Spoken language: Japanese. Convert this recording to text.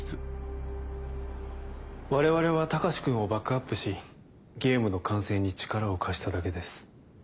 我々は隆君をバックアップしゲームの完成に力を貸しただけです。